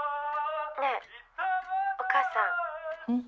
「ねえお母さん」んっ？